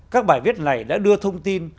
các bài viết này đã đưa thông tin